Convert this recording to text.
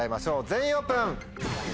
全員オープン！